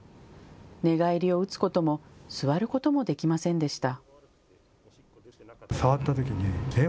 寝返りを打つことも、座ることもできませんでした。